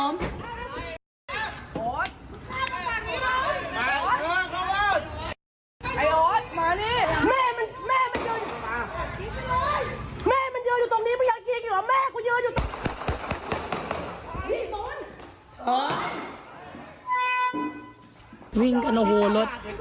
มาเฮียข้อมูล